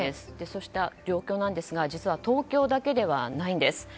そうした状況ですが実は東京だけではないんです。